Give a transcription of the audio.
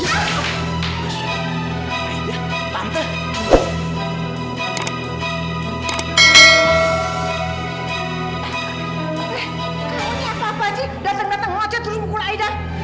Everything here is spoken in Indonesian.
eh kamu ini apa apa aja dateng dateng aja terus mukul aida